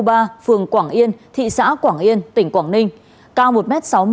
phường quảng yên thị xã quảng yên tỉnh quảng ninh cao một m sáu mươi